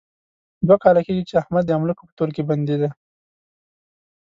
دوه کاله کېږي، چې احمد د املوکو په تول کې بندي دی.